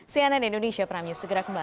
cnn indonesia prime news segera kembali